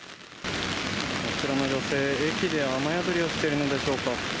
あちらの女性、駅で雨宿りをしているのでしょうか。